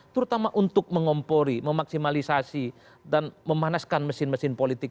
terutama untuk mengompori memaksimalisasi dan memanaskan mesin mesin politik